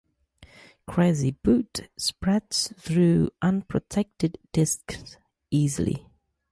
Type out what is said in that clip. "Crazy Boot" spreads through unprotected disks easily.